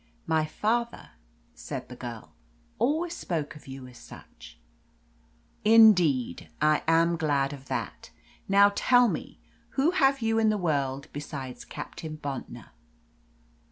"My father," said the girl, "always spoke of you as such." "Indeed, I am glad of that. Now, tell me, who have you in the world besides Captain Bontnor?"